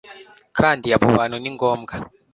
Kandi abo bantu ni ngombwa